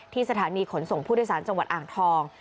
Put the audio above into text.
สถานีขนส่งผู้โดยสารจังหวัดอ่างทอง